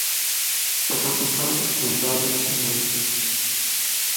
Sa capitale est Bad Hombourg.